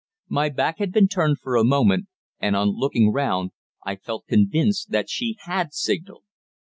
My back had been turned for a moment, and on looking round I felt convinced that she had signalled.